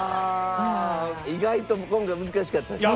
意外と今回難しかったですね。